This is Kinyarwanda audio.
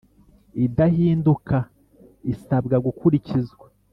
idahinduka isabwa gukurikizwa